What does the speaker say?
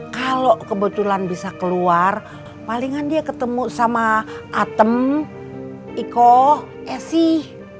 kalau kebetulan bisa keluar palingan dia ketemu sama atem iko esi